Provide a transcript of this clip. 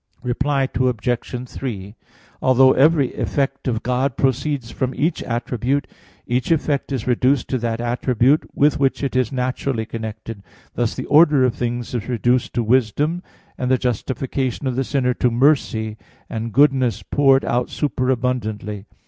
Reply Obj. 3: Although every effect of God proceeds from each attribute, each effect is reduced to that attribute with which it is naturally connected; thus the order of things is reduced to "wisdom," and the justification of the sinner to "mercy" and "goodness" poured out super abundantly.